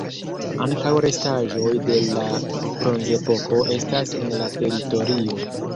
Ankaŭ restaĵoj de la Bronzepoko estas en la teritorio.